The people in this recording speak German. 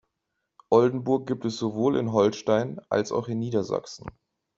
Oldenburg gibt es sowohl in Holstein, als auch in Niedersachsen.